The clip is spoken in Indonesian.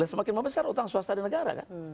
semakin mau besar hutang swasta dari negara kan